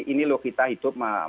ini loh kita hidup